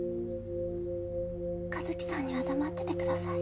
和輝さんには黙っててください。